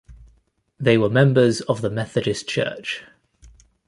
They were members of the Methodist Church.